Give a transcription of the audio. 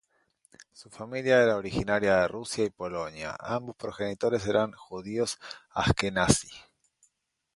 Su familia era originaria de Rusia y Polonia; ambos progenitores eran judíos asquenazí.